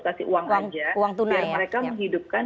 kasih uang aja biar mereka menghidupkan